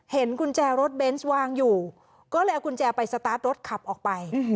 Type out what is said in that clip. กุญแจรถเบนส์วางอยู่ก็เลยเอากุญแจไปสตาร์ทรถขับออกไป